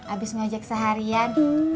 abis ngajak seharian